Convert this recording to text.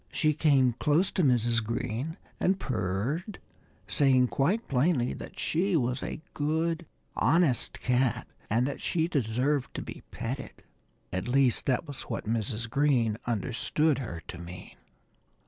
She came close to Mrs. Green and purred, saying quite plainly that she was a good, honest cat and that she deserved to be petted. At least, that was what Mrs. Green understood her to mean.